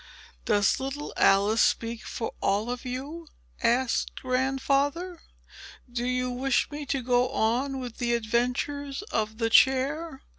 "Does little Alice speak for all of you?" asked Grandfather. "Do you wish me to go on with the adventures of the chair?"